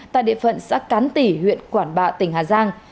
tại địa phận sắc cán tỉ huyện quảng bạ tỉnh hà giang